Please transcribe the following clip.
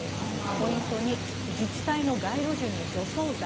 ポイント２自治体の街路樹に除草剤。